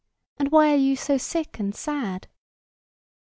"And why are you so sick and sad?"